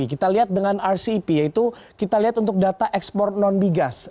kita lihat dengan rcep yaitu kita lihat untuk data ekspor non migas